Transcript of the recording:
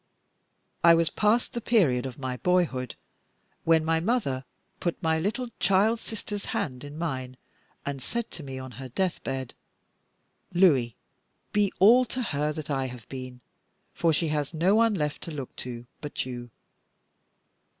I was past the period of my boyhood when my mother put my little child sister's hand in mine, and said to me on her death bed: 'Louis, be all to her that I have been, for she has no one left to look to but you.